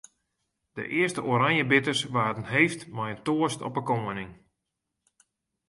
De earste oranjebitters waarden heefd mei in toast op 'e koaning.